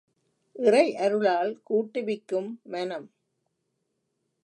இறையருளால் கூட்டுவிக்கும் மனம்.